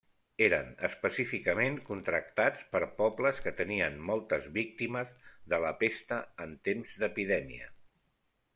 Eren específicament contractats per pobles que tenien moltes víctimes de la pesta en temps d'epidèmia.